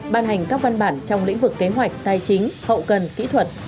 ban hành các văn bản trong lĩnh vực kế hoạch tài chính hậu cần kỹ thuật